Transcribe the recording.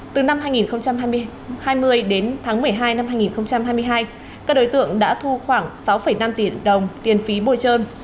từ năm hai nghìn hai mươi đến tháng một mươi hai năm hai nghìn hai mươi hai các đối tượng đã thu khoảng sáu năm tỷ đồng tiền phí bồi trơn